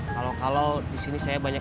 kalau kalau disini saya banyak